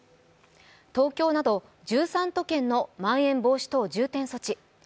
東京など１３都県のまん延防止等重点措置